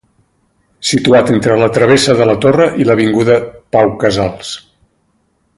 Situat entre la travessa de la Torre i l'avinguda Pau Casals.